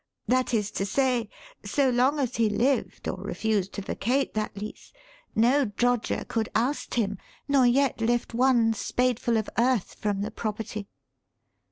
That is to say, so long as he lived or refused to vacate that lease, no Droger could oust him nor yet lift one spadeful of earth from the property."